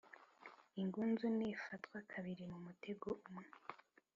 ingunzu ntifatwa kabiri mumutego umwe.